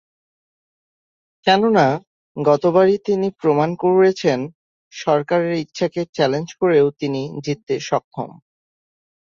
কেননা, গতবারই তিনি প্রমাণ করেছেন, সরকারের ইচ্ছাকে চ্যালেঞ্জ করেও তিনি জিততে সক্ষম।